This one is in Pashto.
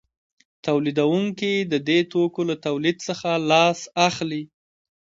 تولیدونکي د دې توکو له تولید څخه لاس اخلي